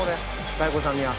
「佳代子さんには」